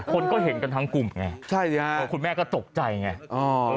คนก็เห็นกันทั้งกลุ่มไงคุณแม่ก็ตกใจไง